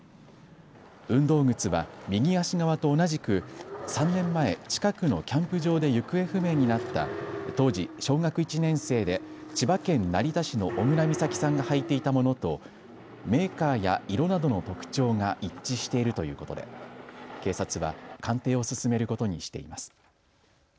運動靴は右足側と同じく３年前近くのキャンプ場で行方不明になった当時小学１年生で千葉県成田市の小倉美咲さんが履いていたものとメーカーや色などの特徴が一致しているということで警察は鑑定を進めることにしています。